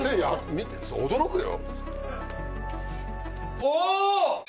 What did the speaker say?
見て驚くよ。